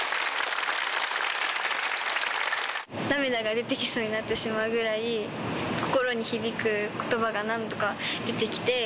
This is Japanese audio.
涙が出てきそうになってしまうぐらい、心に響くことばが何度か出てきて。